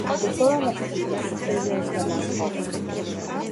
De todas las chicas, ella es la más joven.